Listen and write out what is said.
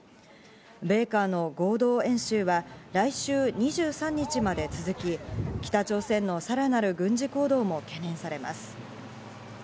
米韓の合同演習は来週２３日まで続き、北朝鮮のさらなる軍事行動も懸念されます。